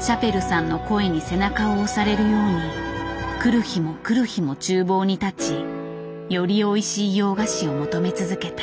シャペルさんの声に背中を押されるように来る日も来る日も厨房に立ちよりおいしい洋菓子を求め続けた。